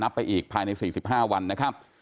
ไปอีกภายใน๔๕วันนะครับ